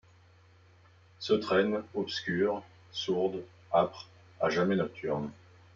Se traîne, obscure ; sourde, âpre, à jamais nocturne